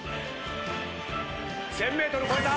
１，０００ｍ超えた。